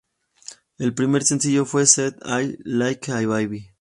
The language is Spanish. El primer sencillo fue "See It Like a Baby".